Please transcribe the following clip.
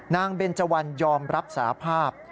เบนเจวันยอมรับสารภาพ